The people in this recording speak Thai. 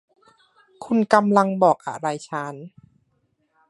คุณกำลังบอกอะไรฉัน